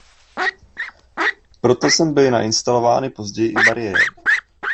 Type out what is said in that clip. Proto sem byly nainstalovány později i bariéry.